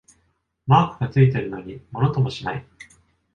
マークがついてるのにものともしない